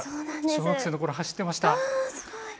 小学生のころ、走っていました。